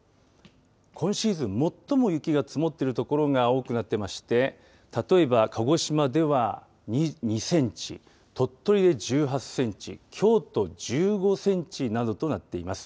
今シーズン最も雪が積もっている所が多くなっていまして例えば鹿児島では２センチ鳥取で１８センチ京都１５センチなどとなっています。